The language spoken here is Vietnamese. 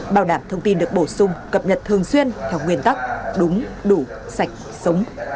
bảo đảm thông tin được bổ sung cập nhật thường xuyên theo nguyên tắc đúng đủ sạch sống